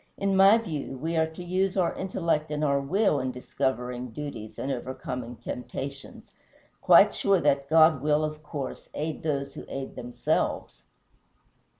In my view we are to use our intellect and our will in discovering duties and overcoming temptations, quite sure that God will, of course, aid those who aid themselves."